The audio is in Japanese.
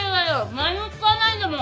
何も使わないんだもん。